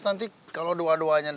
nanti kalau dua duanya